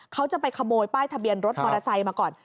เขาจะไปขโมยป้ายทะเบียนรถมอเตอร์ไซค์มาก่อน